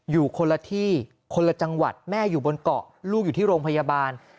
อยู่คนละที่คนละจังหวัดแม่อยู่บนเกาะลูกอยู่ที่โรงพยาบาล